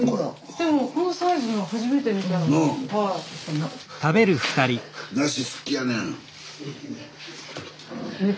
でもこのサイズのは初めて見た。なあ。